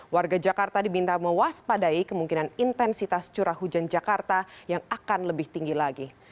warga jakarta diminta mewaspadai kemungkinan intensitas curah hujan jakarta yang akan lebih tinggi lagi